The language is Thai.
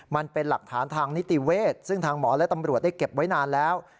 มันเป็นหลักฐานทางนิติเวศซึ่งทางหมอและตำรวจได้เก็บไว้นานแล้ว